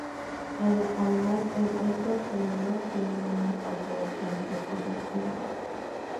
Además, el iPod nano tiene una falta de opciones de conectividad.